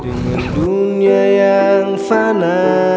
dengar dunia yang fana